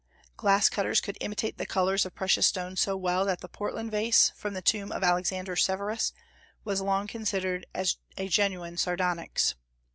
Glass cutters could imitate the colors of precious stones so well that the Portland vase, from the tomb of Alexander Severus, was long considered as a genuine sardonyx.